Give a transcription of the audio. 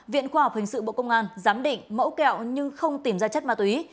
viện khoa học hình sự bộ công an giám định mẫu kẹo nhưng không tìm ra chất ma túy